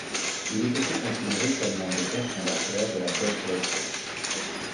Il est aussi considéré comme l'un des pères fondateurs de la dub poetry.